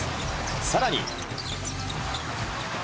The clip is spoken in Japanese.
さらに。